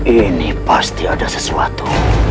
ini pasti ada sesuatu